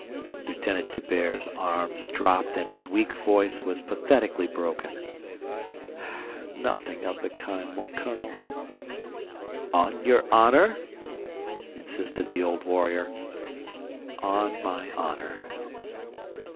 Lieutenant D'Hubert's arms dropped and his weak voice was pathetically broken. "Nothing of the kind, mon colonel." "On your honour?" insisted the old warrior. "On my honour."